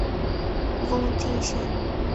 瓮津线